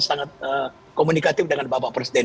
sangat komunikatif dengan bapak presiden